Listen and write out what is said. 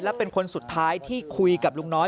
และเป็นคนสุดท้ายที่คุยกับลุงน้อย